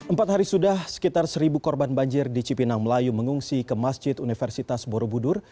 empat hari sudah sekitar seribu korban banjir di cipinang melayu mengungsi ke masjid universitas borobudur